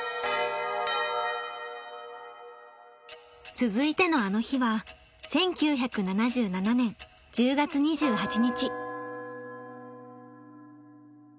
続いての「あの日」は１９７７年１０月２８日。